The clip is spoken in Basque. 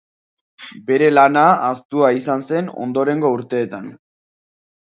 Bere lana ahaztua izan zen ondorengo urteetan.